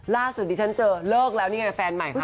ล่าสุดที่ฉันเจอเลิกแล้วนี่ไงแฟนใหม่เข้า